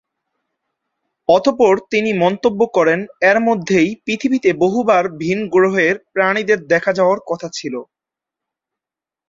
অতঃপর তিনি মন্তব্য করেন এর মধ্যেই পৃথিবীতে বহুবার ভিনগ্রহের প্রাণীদের দেখা যাওয়ার কথা ছিল।